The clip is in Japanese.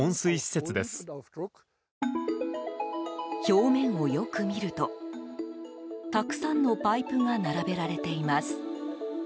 表面をよく見るとたくさんのパイプが並べられています。